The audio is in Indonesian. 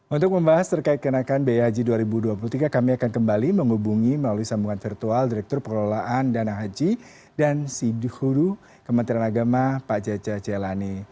untuk membahas terkait kenaikan biaya haji dua ribu dua puluh tiga kami akan kembali menghubungi melalui sambungan virtual direktur pengelolaan dana haji dan siduhu kementerian agama pak jaja jelani